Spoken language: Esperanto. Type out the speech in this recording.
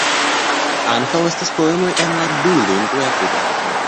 Ankaŭ estas poemoj en la du lingvoj apude.